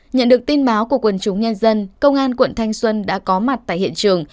nhận được tin báo của quần chúng nhân dân công an quận thanh xuân đã có mặt tại hiện trường